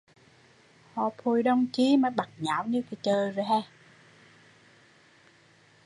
Họp hội đông chi mà bát nháo như họp chợ